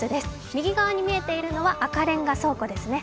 右側に見えているのは赤レンガ倉庫ですね。